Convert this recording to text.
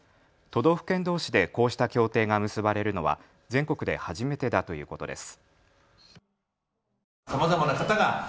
都道府県どうしでこうした協定が結ばれるのは全国で初めてだということです。